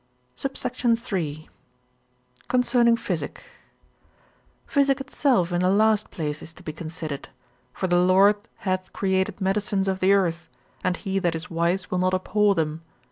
SUBSECT. III.—Concerning Physic. Physic itself in the last place is to be considered; for the Lord hath created medicines of the earth, and he that is wise will not abhor them.